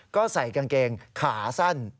ก็ใส่กางเกงขาสั้น